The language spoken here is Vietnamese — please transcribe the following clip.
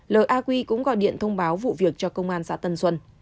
l a quy cũng gọi điện thông báo vụ việc cho công an xã tân xuân